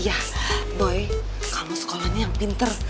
iya boy kamu sekolahnya yang pinter